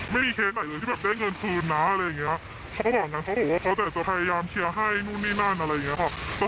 ไม่มีเทสไหนเลยที่แบบได้เงินคืนนะอะไรอย่างเงี้ยเขาก็บอกงั้นเขาบอกว่าเขาอยากจะพยายามเคลียร์ให้นู่นนี่นั่นอะไรอย่างเงี้ยค่ะ